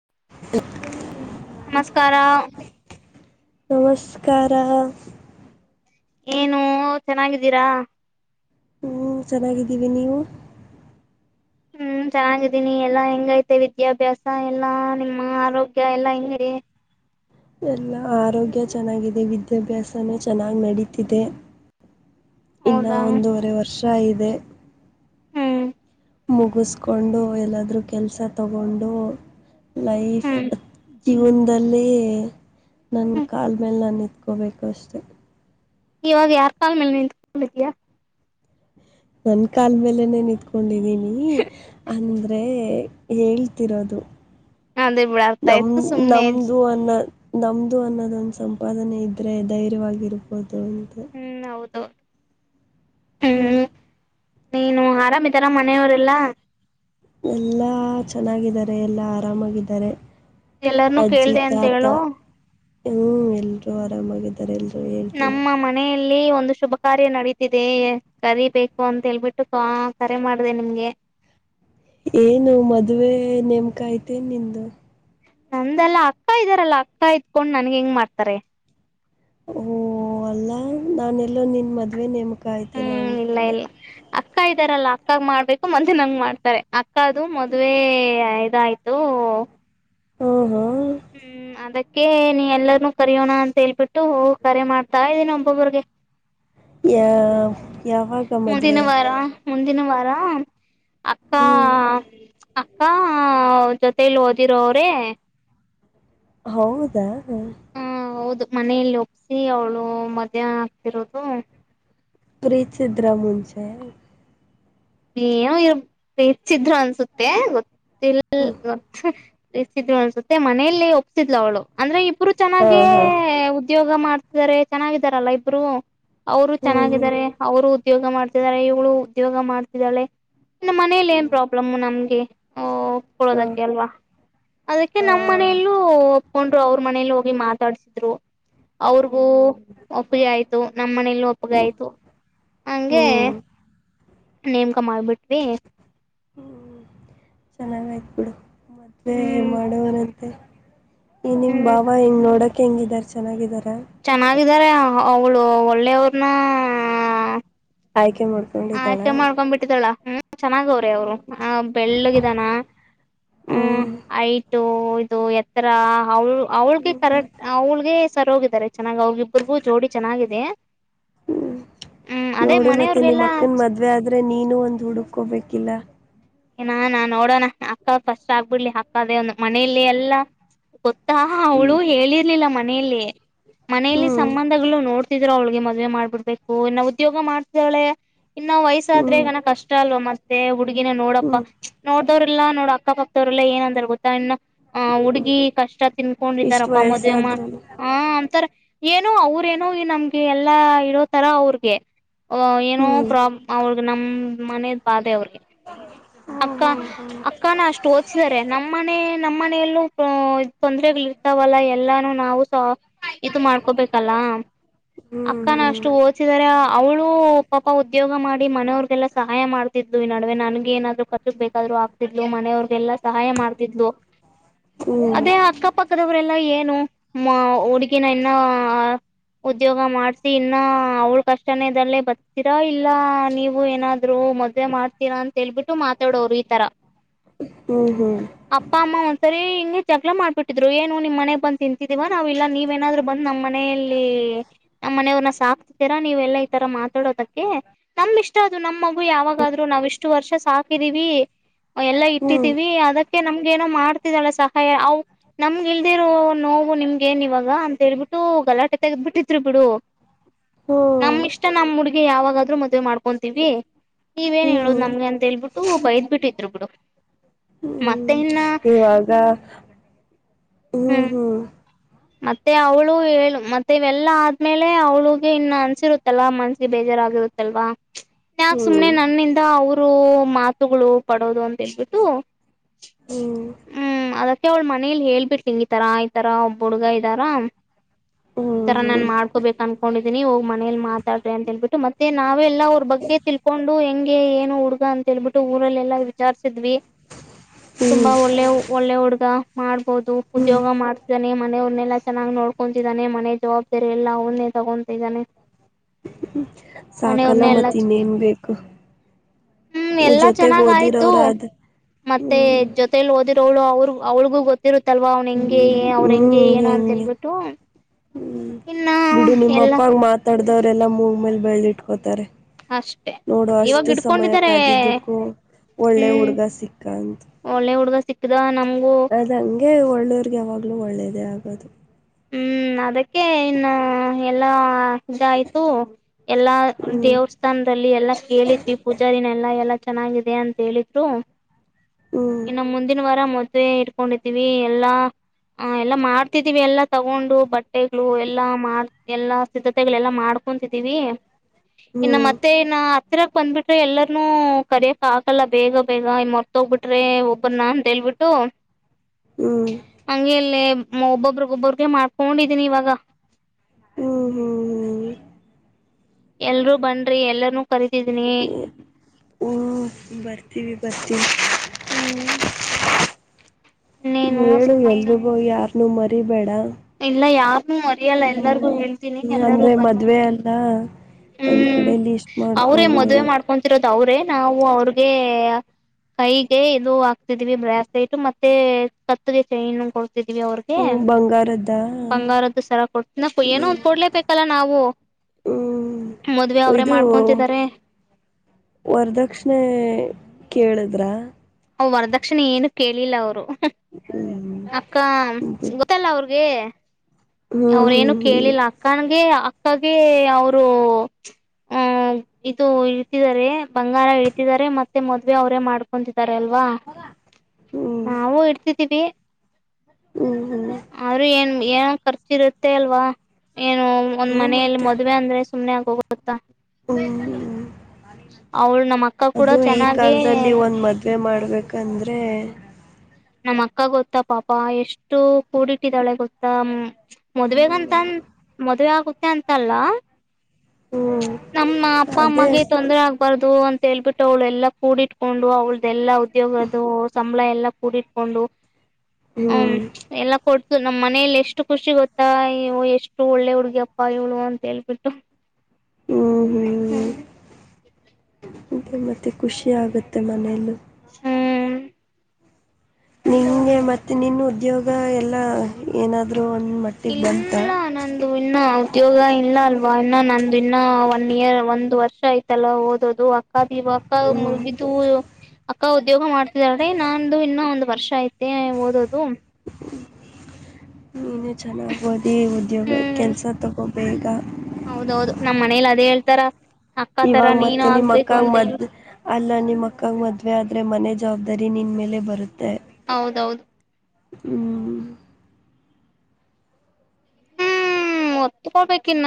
[unintelligible] ನಮಸ್ಕಾರಾ- ನಮಸ್ಕಾರಾ ಏನೂ ಚೆನ್ನಾಗಿದಿರಾ ಹ್ಮ ಚೆನ್ನಾಗಿದಿವಿ ನೀವು ಹ್ಮ್ ಚೆನ್ನಾಗಿದಿನಿ ಎಲ್ಲಾ ಹೆಂಗೈತೆ ವಿದ್ಯಾಭ್ಯಾಸ ಎಲ್ಲಾ ನಿಮ್ಮ್ ಆರೋಗ್ಯ ಎಲ್ಲಾ ಹೆಂಗೆ ಎಲ್ಲಾ ಆರೋಗ್ಯ ಚೆನ್ನಾಗಿದೆ ವಿದ್ಯಾಭ್ಯಾಸನೂ ಚೆನ್ನಾಗಿ ನಡೀತಿದೆ ಇನ್ನ ಹೌದಾ ಒಂದೂವರೆ ವರ್ಷ್ [unintelligible] ಇದೆ ಹ್ಮ್ ಮುಗಿಸ್ಕೊಂಡು ಎಲ್ಲಾದ್ರೂ ಕೆಲ್ಸ ತಗೊಂಡು ಲೈಫ್ ಹ್ಮ್ ಜೀವನದಲ್ಲಿ ನನ್ನ ಹ್ಮ್ ಕಾಲ್ ಮೇಲೆ ನಾನ್ ನಿತ್ಕೋಬೇಕು ಅಷ್ಟೆ ಇವಾಗ ಯಾರ್ ಕಾಲ್ ಮೇಲೆ ನಿಂತ್ತ್ಕೊಂಡಿದಿಯಾ ನನ್ನ ಕಾಲ್ ಮೇಲೆನೆೇ ನಿತ್ಕೊಂಡಿದಿನೀ ಅಂದ್ರೇ ಹೇಳ್ತಿರೋದು ಅದೇ ಬಿಡ ಅರ್ಥ ನಮ್ ಆಯ್ತು ಸುಮ್ನೆ ನಮ್ದು ಅನ್ನದ್ ನಮ್ದು ಅನ್ನೋದೊಂದು ಸಂಪಾದನೆ ಇದ್ರೆ ಧೈರ್ಯವಾಗಿರ್ಬಹುದು [unintelligible] [unintelligible] ಹ್ಮ್ ನೀನು ಆರಾಮಿದರ ಮನೆವ್ರೆಲ್ಲ ಎಲ್ಲಾ ಚೆನ್ನಾಗಿದರೆ ಎಲ್ಲಾ ಆರಾಮಾಗಿದರೆ ಎಲ್ಲಾರ್ನುೂ ಅಜ್ಜಿ ಕೇಳ್ದ ಅಂತ ತಾತ ಹೇಳು ಹ್ಮ್ ಎಲ್ರೂ ಆರಾಮಾಗಿದರೆ ಎಲ್ರು ನಮ್ಮ ಮನೆ ಇಲ್ಲಿ ಒಂದು ಶುಭ ಕಾರ್ಯ ನಡೀತಿದೆ ಕರಿಬೇಕು ಅಂತ್ ಹೇಳ್ಬಿಟ್ಟು ಕರೆ ಮಾಡ್ದೆ ನಿಮ್ಗೆ ಏನು ಮದ್ವೇ ನೇಮ್ಕ ಆಯ್ತ್ ಏನ್ ನಿಂದು ನಂದಲ್ಲಾ ಅಕ್ಕ ಇದರಲ್ಲ ಅಕ್ಕ ಇಡ್ತ್ಕೊಂಡ್ ನನ್ಗ್ ಹೆಂಗ್ ಮಾಡ್ತರೆ ಓ ಅಲ್ಲಾ ನಾನೆಲ್ಲೋ ನಿನ್ ಮದ್ವೆ ನೇಮ್ ಕಾಯ್ತೇನೋ ಹ್ಮ್ ಇಲ್ಲ ಅನ್ಕೋಂಡೆ ಇಲ್ಲ ಅಕ್ಕ ಇದರಲ್ಲಾ ಅಕ್ಕಗ್ ಮಾಡ್ಬೇಕು ಮತ್ತ್ ನಂಗ್ ಮಾಡ್ತಾರೆ ಅಕ್ಕ ಕ್ಕದು ಮದ್ವೇ ಆಯ್ ಇದ್ ಆಯ್ತೂ ಹ್ಮ್ ಹ್ಮ್ ಹ್ಮ್ ಅದಿಕ್ ಕೆ ನೀ ಎಲ್ಲಾರ್ನು ಕರಿಯೋಣ ಅಂತ್ ಹೇಳ್ಬಿಟ್ಟು ಕರೆ ಮಾಡ್ತಾಯಿದಿನಿ ಒಬ್ಬೊಬ್ಬ್ರಿಗೆ ಯಾವಾಗ ಮದ್ವೆ ಮುಂದಿನ್ ವಾರ ಹ್ಮ್ ಹಾ ಜೊತಲಿ ಓದಿರ ಅವ್ರೇ ಹೌದಾ ಹ ಹೌದು ಮನೆಯಲ್ಲಿ ಒಪ್ಸಿ ಅವಳು ಮದ್ವೆ ಆಗ್ತಿರೋದು ಪ್ರೀತಿಸಿದ್ರ ಮುಂಚೆ ಏನೋ ಇವ್ರು ಪ್ರೀತಿಸಿದ್ರು ಅನ್ಸುತ್ತೆ ಗೊತ್ತ ಹ್ಮ್ [unintelligible] ಅನ್ಸುತ್ತೆ ಮನೇೆಯಲ್ಲಿ ಒಪ್ಸಿದಲು ಅವಳು ಅಂದ್ರೆ ಒಬ್ರು ಹಾ ಚೆನ್ನಾಗೆ ಹಾ ಉದ್ಯೋಗ ಮಾಡ್ತಿದ್ದಾರೆ ಚೆನ್ನಾಗಿದಾರಲ್ಲಾ ಇಬ್ರು ಅವ್ರು ಹ್ಮ್ ಹ್ಮ್ ಚೆನ್ನಾಗಿದ್ದಾರೆ ಅವ್ರು ಉದ್ಯೋಗ ಮಾಡ್ತಿದಿದ್ದಾರೆ ಇವ್ಳು ಉದ್ಯೋಗ ಮಾಡ್ ಇದಾಳೆ ಇನ್ನ ಮನೇಲಿ ಏನ್ ಹ್ಮ್ ಪ್ರಾಬ್ಲಮ್ಮ್ ನಮ್ಗೆ ಹಾ ಮಾಡ್ಕೊಡೋದಕ್ಕೆ ಅಲ್ವಾ ಅದಕ್ಕೆ ಹಾ ನಮ್ಮ್ ಮನೆಯಲ್ಲೂ ಒಪ್ಕೋಂಡ್ರು ಅವ್ರ ಮನೇಲಿ ಹೋಗಿ ಮಾತಾಡ್ಸಿದ್ರು ಅವ್ರಗೂ ಹ್ಮ್ ಹ್ಮ್ ಒಪ್ಪಗೆ ಆಯ್ತು [unintelligible] ನಮ್ಮ್ ಮನೆಲ್ಲಿ ಹ್ಮ್ ಒಪ್ಪಗಾಯ್ತು ಹಂಗೆ ಹ್ಮ್ ನೇಮಕಾ ಮಾಡ್ಬಿಟ್ವಿ ಹ್ಮ್ ಚೆನ್ನಾಗಯ್ತ್ ಬಿಡು ಮತ್ತೆ ಹ್ಮ್ ಮಾಡೋವರತ್ರ ಮತ್ತೆ ಹೇ ನಿಮ್ ಹ್ಮ್ ಭಾವ ಹೆಂಗ್ ನೋಡಕ್ ಹೆಂಗಿದ್ದಾರೆ ಚೆನ್ನಾಗಿದ್ದಾರಾ ಚೆನ್ನಾಗಿದಾರೆ ಅವಳು ಒಳ್ಳೆಯವ್ರನ್ನ ಹಾಗೆ ಆಕೆ ಮಾಡ್ಕೊಂಡ್ಬ ಬಿಟ್ಟಿದಳ ಹ್ಮ್ ಚೆನ್ನಾಗ ಅವ್ರೆ ಅವ್ರು ಹ್ಮ್ ಆ ಬೆಳ್ಳಗಿದಾನ ಹ್ಮ್ ಐಟು ಇದು ಎತ್ತರಾ ಅವಳು ಅವಳಿಗೆ ಕರೆಕ್ಟ್ ಹ್ಮ್ ಅವ್ಳಿಗೆ ಸರ್ ಹೋಗಿದ್ದಾರೆ ಚೆನ್ನಾಗಿ ಅವಗಿಬ್ಬ್ರಗೂ ಜೋಡಿ ಚೆನ್ನಾಗಿದೆ ಹ್ಮ್ ಹ್ಮ್ ಅದೇ ನೋಡು ಮತ್ತೆ ಮನೆಯವ್ರಿಗೆಲ್ಲಾ ನಿಮ್ಮ ಅಕ್ಕನ್ ಮದ್ವೆ ಆದ್ರೆ ನೀನು ಒಂದ್ ಹುಡುಕ್ಕೋಬೇಕಿಲ್ಲಾ ನಾನ್ ನೋಡೋಣ ಅಕ್ಕ ಫಸ್ಟ್ ಆಗ್ಬಿಡ್ಲಿ ಅಕ್ಕ ಒಂದು ಮನೆಯಲ್ಲಿ ಎಲ್ಲಾ ಗೊತ್ತಾ ಹ್ಮ್ ಅವಳು ಹೇಳಿರ್ಲಿಲ್ಲ ಮನೆಯಲ್ಲಿ ಮನೆಲ್ಲಿ ಹ್ಮ್ ಸಂಬಂಧಗಳು ನೋಡ್ ಅವ್ಳಿಗೆ ಮದ್ವೆ ಮಾಡ್ಬಿಡ್ಬೇಕು ಇನ್ನು ಉದ್ಯೋಗ ಮಾಡ್ತಿದಳೆ ಇನ್ನು ವಯಸ್ಸಾದ್ರೆ ಹ್ಮ್ ಈಗಾನ ಕಷ್ಟ ಅಲ್ವಾ ಮತ್ತ ಹುಡುಗಿನ ನೋಡ್ ಹ್ಮ್ ಅವ್ರಲ್ಲ ನೋಡ್ ಅಕ್ಕ ಪಕ್ದವ್ರಲ್ಲ ಏನ್ ಅಂದ್ರ ಗೊತ್ತಾ ಇನ್ನು ಹ ಹುಡ್ಗಿ ಕಷ್ಟ ಇಷ್ಟ್ ತಿನ್ಕೊಂಡಿದ್ದಾರಪ್ಪ ಮದ್ವೆಮ್ಮ ವಯಸ್ಸಾದ್ರೂನು ಹಾ ಅಂತಾರ ಏನುೋ ಅವ್ರೇನುೋ ಈ ನಮ್ಗೆ ಎಲ್ಲಾ ಇರೋತರ ಅವ್ರಗೆ ಏನೋ ಹ್ಮ್ ಪ್ರಾಬ್ ಅವಿಗೆ ನಮ ಾನ ಬಾದೆ ಅವ್ರಿಗೆ ಹ್ಮ ಅಕ್ಕ ಅಕ್ಕಾನ ಅಷ್ಟು ಓದಸಿದಾರೆ ನಮ್ಮನೆ ನಮ್ಮನೆ ಮನೆಯಲ್ಲೂ ತೊಂದ್ರರೆಗಳ ಇರ್ತಾವಲ್ಲ ಎಲ್ಲಾನು ನಾವು ಸ ಇದು ಮಾಡ್ಕೊಬೇಕಲ್ಲ ಅಕ್ಕನ ಅಷ್ಟು ಹ್ಮ್ ಓಸಿದಿದ್ದಾರೆ ಅವಳ ಪಾಪ ಉದ್ಯೋಗ ಮಾಡಿ ಮನೆಯವ್ರಗೆಲ್ಲಾ ಸಹಾಯ ಮಾಡ್ತಿದ್ು ಈ ನಡುವೆ ನನ್ಗೆ ಏನಾದ್ರು ಗ್ ಬೇಕಾದ್ರು ಆ ಮನೆಯವ್ರಗೆಲ್ಲ ಸಹಾಯ ಮಾಡ್ತಿದ್ಲು ಹ್ಮ್ ಹ್ಮ್ ಅದೇ ಅಕ್ಕಪಕ್ಕದವರೆಲ್ಲ ಏನ್ ಹುಡುಗಿನ ಇನ್ನ ಉದ್ಯೋಗ ಮಾಡ್ಸಿ ಇನ್ನ ಅವ್ಳ ಕಷ್ಟನೇದಲ್ಲೇ ಬರ್ತೀರಾ ಇಲ್ಲ ನೀವು ಏನಾದ್ರು ಮದ್ವೆ ಮಾಡ್ತೀರಾ ಅಂತ ಹೇಳ್ಬಿಟ್ಟು ತೊಡೋರು ಈ ತರ ಹ್ಮ್ ಹ್ಮ್ ಹ್ಮ್ ಅಪ್ಪ ಅಮ್ಮ ಒ ಸರಿ ಗೆ ಜಗಳ ಮಾಡ್ಬಿಟ್ಟಿದ್ರು ಏನು ನಿಮ್ಮ ಮನೆಗ್ ಬಂದ ತಿಂತಿದೀವ ನಾವ್ ಇಲ್ಲಾ ನೀವೇನಾದ್ರು ಬಂದ ನಮ್ಮ್ ಮನೆಯಲ್ಲಿ ನಮ್ಮ ಮನೆಯವ್ರನ್ನ ಸಾಕ್ತಿತೀರಾ ನೀವ ಎಲ್ಲಾ ಈ ತರ ಮಾತಾಡೋದಕ್ಕೆ ನಮ್ ಇಷ್ಟ ಅದು ನಮ್ ಮಗು ಯಾವಾಗಾದ್ೂ ನಾವ್ ಇಷ್ಟು ವರ್ಷ ಸಾಕ್ ಪ್ರರಿವಿ ಎಲ್ಲಾ ಹ್ಮ್ ಇಟ್ಟತಿೀವಿ ಅದಕ್ಕೆ ನಮ್ಗ ಏನೋ ಮಾಡ್ತ ತಿದಳ ಸಹಾಯ ಅವು ನಮ್ಗೆ ಇಲ್ದಿರೋ ನೋವು ನಿಮ್ಗೆ ಏನ್ ಇವಾಗ ಅಂತ ಹೇಳ್ಬಿಟ್ಟು ಗಲಾಟೆ ತೆೆಗೆದ್ಬಿಟ್ಟಿದ್ರು ಬಿಡು ಹ್ಮ್ ನಮ್ಮ್ ಇಷ್ಟ ನಮ್ಮ ಹುಡುಗಿ ಯಾವಾಗಾದ್ರೂ ಮದ್ೆ ಮಾಡ್ಕೊಂತೀವಿ ನೀವೇನ್ ಹೇಳುದು ಹ್ಮ್ ನಮಗೆ ಅ ಹೇಳ್ಬಿಟ್ಟು ದ್ ಬಿಟ್ಟ ಇದ್ರು ಬಿಡು ಮತ್ತೆ ಹ್ಮ್ ಇನ್ನ ಇವಾಗ ಹ್ಮ್ ಹ್ಮ್ ಮತ್ತೆ ಅವಳು ಹೇಳು ಮತ್ತೆ ಇವೆಲ್ಲ ಆದ್ಮೇಲೆ ಅವಳಿಗೆ ಇನ್ನು ಅನ್ಸಿರುತ್ತಲ್ಲ ಮನ್ಸಿಗೆ ಬೇಜಾರಾಗಿರುತ್ತಲ್ವಾ ಯಾಕ ಸುಮ್ನೆ ಹ್ಮ್ ನನ್ನಿಂದ ಅವರು ರು ಮಾತುಗಳು ಪಡೋದು ಅಂತೇಳ್ಬಿಟ್ಟು ಹ್ಮ್ ಅದಕ್ಕೆ ಅವ್ಳ ಮನೇಲಿ ಹೇಳ್ಬಿಟ್ಲಿಿಂಗ್ ಈ ತರ ಈತರ ಬುಡ್ಗಾ ಇದ್ದಾರಾ ಈ ತರ ಹ್ಮ್ ನಾನ್ ಹ್ಮ್ ಮಾಡ್ಕೊಬೇಕು ಅನ್ಕೊಂಡಿದ ಇದನಿ ಹೋಗಿ ಮನೇಲಿ ಮಾತಾಡ್ರಿ ಅಂತ ಹೇಳ್ಬಿಟ್ಟು ಮತ್ತೆ ನಾವೇ ಎಲ್ಲಾ ಅವ್ರ ಬಗ್ಗೆ ತಿಳ್ಕೊಂಡು ಹೆಂಗೆ ಏನು ಹುಡುಗ ಅಂತ ಹೇಳ್ಬಿಟ್ಟು ಊರಲ್ಲ ಎಲ್ಲಾ ವಿಚಾರಸಿದ್ವಿ ತುಂಬಾ ಹ್ಮ್ ಒಳ್ಳೆ ಒಳ್ಳೆ ಹುಡುಗ ಮಾಡ್ ಹೌದು ಹ್ಮ್ ಉದ್ಯೋಗ ಮಾಡ್ಸ ನೆ ಮನೆವನ್ನೆಲ್ಲ ಚೆನ್ನಾಗ್ ನೋಡ್ಕೊಂತಿದ್ದಾನೆ ಮನೆ ಜವಾಬ್ದಾರಿ ಎಲ್ಲಾ ಅವನ್ನೆ ತಗೊತಿದ್ದಾನೆ ಹ್ಮ ಮನೆಯವ್ರನ್ನ ಸಾಕಲ್ಲ ಎಲ್ಲ ಮತ್ತನ ಇನ್ ಏನ್ ಬೇಕು ಹ್ಮ್ ಎಲ್ಲಾ ಜೊತೆಗ್ ಚೆನ್ನಾಗ್ ಆಯ್ತು ಓದಿರವ್ರ ಅದ್ ಮತ್ತೆ ಹ್ಮ್ ಜೊತೆೇಲಿ ಓದಿರೋಳು ಅವ್ರ ಅವ್ ಗೊ ರುತ್ತಲ್ವ ಅವ್ನು ಹೆಂಗೆ ಹ್ಮ್ ಅವ ನಂಗೆ ಹ್ಮ್ ಏನ ಅಂತ ಹೆಂಗೆ ಹೇಳ್ಬಿಟ್ಟು ಹ್ಮ್ ಇನ್ನ ಬಿಡು ನಿಮ್ಮ ಎಲ್ಲ ಅಪ್ಪಾಗ ಮಾತಾಡ ಇದವರೆೆಲ್ಲ ಮೂಗ ಮೇಲೆ ಬೆರಾಳ್ಳಿಟ್ಕೋತಾರೆ ಅಷ್ಟೆ ನೋಡು ಇವಾಗ ಅಷ್ಟು ಸಮಯ ಇಡ್ಕೊಂಡಿದ್ದಾರೆ ಕಾದಿದ್ದಕ್ಕೂ ಒಳ್ಳೆ ಹ್ಮ್ ಹುಡ್ಗ ಸಿಕ್ಕಂತ ಒಳ್ಳೆ ಹುಡ್ಗ ಸಿಕ್ಕದ ನಮಗೂ ಒಳ್ಳೆಯದೇ ಆಗೋದು ಹ್ಮ್ ಅದಕ್ಕೆ ಇನ್ನು ಎಲ್ಲ ಇದ ಆಯ್ತು ಎಲ್ಲಾ ಹ್ಮ್ ದೇವಸ್ಥಾನದಲ್ಲಿ ಎಲ್ಲಾ ಕೇಳಿದ್ವಿ ಪೂಜಾ ದಿನ ಎಲ್ಲಾ ಎಲ್ಲ ಚೆನ್ನಾಗಿದೆ ಅಂತ ಹೇಳಿದ್ರು ಹ್ಮ್ ಇನ್ನು ಮುಂದಿನ ವಾರ ಮ ಮ ಇಡ್ಕೊಂಡಿದೀವಿ ಎಲ್ಲಾ ಎಲ್ಲಾ ಮಾಡ್ತಿದೀವಿ ಎಲ್ಲಾ ತಗೊಂಡು ಬಟ್ಟೆಗಳು ಎಲ್ಲಾ ಮಾಡ ಎಲ್ಲಾ ಸಿದ್ಧತೆಗಳೆಲ್ಲಾ ಮಾಡ್ಕೊಂತಿದ್ದೀವಿ ಇನ್ನು ಹ್ಮ್ ಮತ್ತೆ ಇನ ಹತ್ತಿರಕ್ ಬಂದ್ಬಿಟ್ರೆ ಎಲ್ಲರನುೂ ಕಡಿಯಕ್ ಹಕಲ್ಲ ಬೇಗ ಬೇಗ ಮರ್ತ ಹೋಗ್ಬಿಟ್ರಿ ಒಬ್ಬರ್ನ ಅಂತೇಳ್ಬಿಟ್ಟು ಹ್ಮ್ ಹಂಗ ಅಲ್ಲೇ [unintelligible] ಮಾಡ್ಕೊಂಡಿದೀನಿ ಇವಾಗ ಹ್ಮ್ ಹ್ಮ್ ಹ್ಮ್ ಎಲ್ರೂ ಬನ್ ರಿ ಎಲ್ಲನೂ [inaudible] ಬರ್ತಿವಿ ಬರ್ತೀವಿ ಹ್ಮ್ ಇನ್ನೇನು ಹೇಳು ಸಮಾಚಾರ ಎಲ್ರಿಗೋ ಯಾರ್ ನುಮ್ಮರಿಬೇಡ ಇಲ್ಲ ಯಾ ಹ್ಮ ಅಂದ್ರೆ ಬನ್ನಿ ಮದ್ವೆ ಅಲ್ಲ ಒಂದ್ ಹ್ಮ್ ಕಡೆ ಲಿಸ್ಟ್ ಅವ್ರೇ ಮಾಡ್ಕೊಂಡು ಮದ್ವೆ ಮಾಡ್ಕೊಂತರೋ ಅವ್ರೆ ನಾವು ಅವ್ರಿಗೆ ಕೈಗೆ ಇದು ಹಾಕ್ತಿದೀವಿ ಬ್ರಾಸ್ಲೆಟ್ ಮತ್ತೆ ಕತ್ಗೆ ಚೈನ್ ವಿ ಅವ್ರಿಗೆ ಹ್ಮ್ ಬಂಗಾರದ್ದ ಬಂಗಾರದ್ದು ಸರ ಕೊಡ್ತ ನ ಏನೋ ಹ್ಮ್ ಒಂದ ಕೊಡ್ಲೇಬೇಕಲ್ಲ ನಾವು ಮದ್ವೆ ಹ್ಮ್ ಅವ್ರೇ ಇದು ಮಾಡ್ಕೊಂತಿದ್ದಾರೆ ವರದಕ್ಷಿಣೆ ಕೇಳದು [unintelligible] ಹಾ ವರದಕ್ಷಿಣ ಏನು ಕೇಳಿಲ್ಲ ಅವ್ರು ಹಾ ಅಕ್ಕ ಗೊತ್ತಲ್ಲ [unintelligible] ಹ್ಮ್ ಅವ್ರೇನು ಹ್ಮ್ ಹ್ಮ್ ಕೇಳಿಲ್ಲ ಅಕ್ಕನಗೆ ಅಕ್ ಅಕ್ಕಗೆ ಅವರು ಹಾ ಇದು ಇಳ್ತಿದ್ದಾರೆ ಬಂಗಾರ ಇಳ್ತಿದ್ದಾರೆ ಮತ್ತೆ ಮದ್ವೆ ಅವರೇ ಮಾಡ್ಕೊಂತ ಅಲ್ವಾ [inaudible] ಹ್ಮ್ ನಾವು ಇಡ್ತಿದ್ದೀವಿ ಹ್ಮ್ ಹ್ಮ್ ಅವ್ರು ಏನ್ [unintelligible] ಇರುತ್ತೇ ಅಲ್ವಾ ಏನು ಒಂದ್ ಹ್ಮ್ ಮನೆಯಲ್ಲಿ ಮತ್ತೆ ಮದ್ವೆ ಅಂದ್ರೆ ಸುಮ್ಮನೆ ಆಗೋಗು [unintelligible] ಹ್ಮ್ ಅವಳು ನಮ್ಮ ಅಕ್ಕ ಕೂಡ ಅದು ಈ ಚೆನ್ನಾಗಿ ಕಾಲದಲ್ಲಿ ಒಂದ್ ಮದ್ವೆ ಮಾಡ್ಬೇಕಂದ್ರೆ ನಮ್ಮ್ ಅಕ್ಕ ಗೊತ್ತಾ ಪಾಪ ಎಷ್ಟು ಕೂಡಿಟ್ಟಿದಾಳೆ ಗೊತ್ತಾ ಮದ್ವೆಗಂತ ಮದ್ವೆ [unintelligible] ಅಂತಲ್ಲ ಹ್ಮ್ ನಮ್ಮ ಅಪ್ಪ ಅದೇ ಅಮ್ಮಗೆ ತೊಂದರೆ ಆಗ್ಬಾರ್ದು ಅಂತ ಹೇಳ್ಬಿಟ್ಟು ಅವಳೆಲ್ಲ ಕೂಡಿ ಇಟ್ಕೊಂಡು ಅವಳ್ದೆಲ್ಲ ಉದ್ಯೋಗದು ಸಂಬಳ ಎಲ್ಲ ಕೂಡಿಟ್ಕೊಂಡು ಹ್ಮ್ ಎಲ್ಲ ಕೊಟ್ಟ ನಮ್ಮ್ ಮನೇಲಿ ಎಷ್ಟು ಖುಷಿ ಗೊತ್ತಾ ಎಷ್ಟು ಒಳ್ಳೆ ಹುಡ್ಗಿಪ್ಪ ಇವ್ಳು ಅಂತ ಹೇಳ್ಬಿಟ್ಟು ಹ್ಮ್ ಹ್ಮ್ ಅದೇ ಮತ್ತೆ ಖುಷಿ ಆಗುತ್ತೆ ಮನೆಲ್ಲಿ ಹ್ಮ್ ನಿಂಗೆ ಮತ್ತೆ ನಿನ್ ಉದ್ಯೋಗ ಎಲ್ಲಾ ಏನಾದ ಇಲ್ಲ ನಂದು ಇನ್ನ ಉದ್ಯೋಗ ಇಲ್ಲ ಅಲ್ವಾ ಇನ್ನ ನಂದು ಇನ್ನ ಒನ್ ಇಯರ್ ಒಂದ್ ವರ್ಷ ಆಯ್ತಲ್ಲ ಓದೋದು ಅಕ್ಕ [unintelligible] ಹ್ಮ್ ಅಕ್ಕ ಉದ್ಯೋಗ ಮಾಡ್ತಿದಾಳೆ ನಂದು ಇನ್ನ ಒಂದ್ ವರ್ಷ ಐತೆ ಓದೋದು [unintelligible] ಚೆನ್ನಾಗಿ ಓದಿ ಉದ್ಯೋಗ ಹ್ಮ್ ಕೆಲಸ ತಗೋ ಬೇಗ ಹೌದೌದು ನಮ್ಮ್ ಮನೇಲಿ ಅದೇ ಹೇಳ್ತಾರ ಅಕ್ಕ ತರ ಇವಾಗ ಮತ್ತೆ ನೀನು ನಿಮ್ ಆಗ್ಬೇಕು ಅಕ್ಕಂಗ ಅಂತ ಮದ್ ಹೇಳಿ ಅಲ್ಲ ನಿಮ್ ಅಕ್ಕಂಗ ಮದ್ವೆ ಆದ್ರೆ ಮನೆದ ಜವಾಬ್ದಾರಿ ನಿನ್ ಮೇಲೆ ಬರುತ್ತೆ ಹೌದೌದು ಹ್ಮ್. ಹ್ಮ್ ಒತ್ಕೊಳ್ಬೇಕ ಇನ್ನ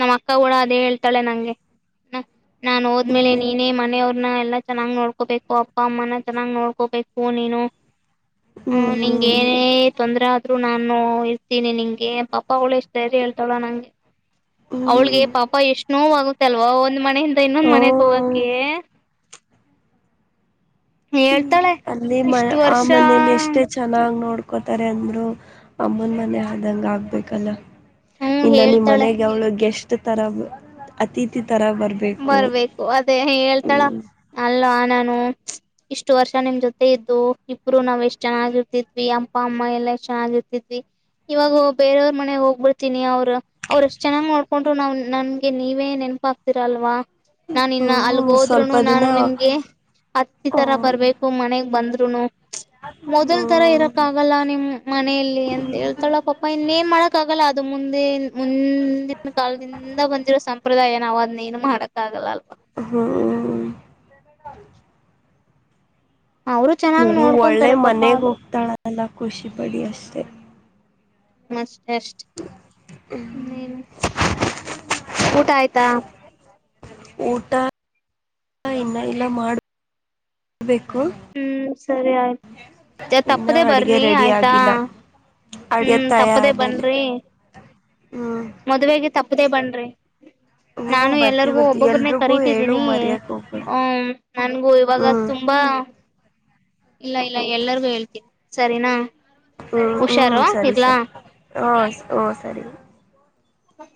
ನಮ್ಮ್ ಅಕ್ಕ ಕೂಡ ಅದೇ ಹೇಳ್ತಾಳೆ ನಂಗೆ ನಾನ್ ಹೋದ್ಮೇಲೆ ಹ್ಮ್ ನೀನೇ ಮನೆಯವ್ ಎಲ್ಲಾ ಚೆನ್ನಾಗ್ ನೋಡ್ಕೋಬೇಕು ಅಪ್ಪ ಅಮ್ಮನ ಚೆನ್ನಾಗ್ ನೋಡ್ಕೋಬೇಕು ನೀನು ಹ ಹ್ಮ್ ನಿಂಗ ಹ್ಮ್ ಏನೇ ತೊಂದ್ರರೆ ಅದ್ರ್ ರು ನಾನು ಇರ್ತೀನಿ ನಿಂಗೆ ಪಾಪ ಅವಳ ಎಷ್ಟು ಸರಿ ಹಳ್ತಾವಳ ನಂಗೆ ಅವಳಿಗೆ ಹ್ಮ್ ಪಾಪ ಎಷ್ಟ ನೋವಾಗುತ್ತ ಸಲ್ವಾ ಒಂದ್ ಮನೆಯಿಂದ ಇನ್ನೊಂದ್ ಓ ಮನೆಗೆ ಹೋಗಕೆ ಹ್ಮ್ ಹೇಳ್ತಾಳೆ ಅಲ್ಲಿ ಮ ಇಷ್ಟು ಆ ವರ್ಷ ಮನೇಲಿ ಎಷ್ಟೇ ಚೆನ್ನಾಗ್ ನೋಡ್ಕೊ ತಾರೆ ಅಂದರು ಅಮ್ಮನ್ ಮನೆ ಆದಂಗಗೆ ಆಗ್ಬೇಕಲ್ಲ ಹ್ಮ್ ಇನ್ನ ನಿಮ್ ಹೇಳ್ತಾಳೆ ಮನೆಗೆ ಅವ್ಳಗ್ಗೆಷ್ಟ ತರ ಅತಿಥಿತರವರು ಬರ್ಬೇಕು ಅದೇ ಹೇಳ್ತಾಳ ಅಲ್ಲವಾ ನಾನು ಇಷ್ಟು ವರ್ಷ ನಿಮ್ ಜೊತೆ ಇದ್ದು ಇಬ್ರು ನಾವ್ ಎಷ್ಟ್ ಚೆನ್ನಾಗಿ ಇರ್ತಿದ್ವಿ ಅಪ್ಪ ಅಮ್ಮ ಎಲ್ಲಾ ಎಷ್ಟ ಚೆನ್ನಾಗಿರ್ತಿದ್ವಿ ಇವಾಗ ಬೇರೆಯವ್ರ ಮನೆ ಹೋಗ್ಬಿಡ್ತೀನಿ ಅವರು ಅವ್ರು ಎಷ್ಟ್ ಚೆನ್ನ್ ನೋಡ್ಕೊಂಡ್ರು ನಾವ್ ನನ್ಗೆ ನೀವೇ ನೆನಪ ಆಗ್ತಿದವಿ ಚಲ್ವ ನಾಾನ ಇನ್ನ ಹ್ಮ್ ಸ್ವಲ್ಪ ಅಲ್ಗೋದ್ರುೂನು ದಿನ ನಾನು ನಿಮ್ಗೆ ಹ ಹತ್ತಿ ತರ ಹ್ಮ್ ಬರ್ಬೇಕು ಮನೆಗ್ ಬಂದ್ರು ಚ ಮೊದಲ್ ತರ ಇರಕ್ ಆಗಲ್ಲ ನಿಮ್ ಮನೆಯಲ್ಲಿ ಅಂತ ಹೇಳ್ತಾಳ ಪಾಪ ಇನ್ನೇನ್ ಮಾಡಕ್ ಆಗಲ್ಲ ಅದು ಮುಂದೆ ಹಿಂದಿನ ಕಾಲದಿಂದ ಬಂದಿರೋ ಸಂಪ್ರದಾಯ ನ ವದ್ನೇ ಏನುಮಾಡಕ್ಕಾಗಲಾ ಹ್ಮ್ ಅವರು ಚೆನ್ನಾಗ್ ನೋಡ ಒಳ್ಳೆ ನೋಡ್ಕೊಂತಾರೆ ಪಾಪ ಮನೆಗ್ ಅದು ಹೋಗ್ತಾಳ ಎಲ್ಲ ಖುಷಿ ಪಡಿ ಅಷ್ಟೆ ಮಸ್ ಎಷ್ಟ ನೀನ್ ಊಟ ಆಯ್ತಾ ಊಟ ಇನ್ನ ಇಲ್ಲ ಮಾಡಬೇಕು ಹ್ಮ್ ಸರಿ ಆಯ್ತು ಇನ್ನ ತಪ್ಪದೆೇ ಅಡ್ಗೆ ಬರ್ರಿ ರೆಡಿ ಆಯ್ತಾ ಆಗಿಲ್ಲ ಅಡ್ಗೆ ಹ್ಮ್ ತಯಾರ ತಪ್ಪದೆೇ ಮೇಲೆ ಬನ್ಿ ಹ್ಮ್ ಮದ್ವೆೆಗೆ ತಪ್ಪ ಇದೇ ಬನ್್ರೆ ಹ್ಮ್ ನಾನು ಬರ್ತೀವಿ ಎಲ್ಲರಿಗು ಬರ್ತೀವಿ ಒಬ್ಬೊಬ್ಬ್ರನೆೇ ಎಲ್ರಿಗೂ ಹೇಳು ಕರಿೀತಿದ್ದೀನಿ ಮರ್ಯಕ್ ಹೋಗ್ಬೇಡ ಹ ನನ್ಗೂ ಇವಾಗ ಹ್ಮ್ ತುಂಬಾ ಇಲ್ಲ ಇಲ್ಲ ಎಲ್ಲರಿಗೂ ಹೇಳ್ತೀನಿ ಸರಿನಾ ಹ್ಮ್ ಹ್ಮ್ ಹುಷಾರು ಸರಿ ಇರ್ಲಾ ಸರಿ ಹ ಹ್ಮ ಸರಿ ಹ್ಮ